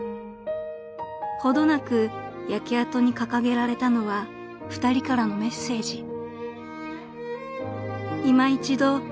［程なく焼け跡に掲げられたのは２人からのメッセージ］